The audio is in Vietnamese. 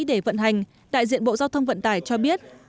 để vận hành đại diện bộ giao thông vận tải cho biết